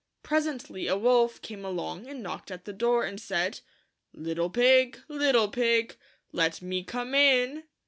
Presently a wolf came along and knocked at the door, and said, —" Little Pig, Little Pig, Let Me Come In